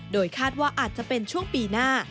โดยคาดว่าอาจจะเป็นช่วงปีหน้า